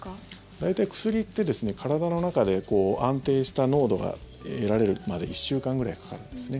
大体、薬って体の中で安定した濃度が得られるまで１週間ぐらいかかるんですね。